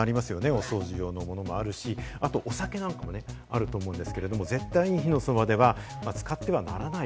お掃除用のものもあるし、あと、お酒なんかもあると思うんですけれど、絶対に火のそばでは使ってはならない。